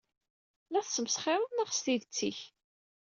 La tesmesxireḍ neɣ s tidet-ik?